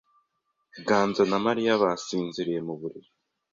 Ganza na Mariya basinziriye mu buriri.